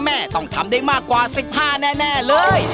แม่ต้องทำได้มากกว่า๑๕แน่เลย